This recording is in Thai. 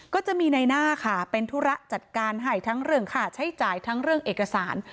ก็จะมีในหน้าค่ะเป็นธุระจัดการให้ทั้งเรื่องค่าใช้จ่ายทั้งเรื่องเอกสาร